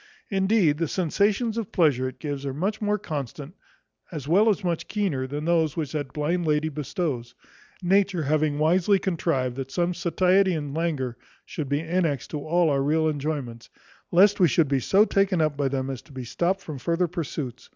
Indeed, the sensations of pleasure it gives are much more constant as well as much keener, than those which that blind lady bestows; nature having wisely contrived, that some satiety and languor should be annexed to all our real enjoyments, lest we should be so taken up by them, as to be stopt from further pursuits.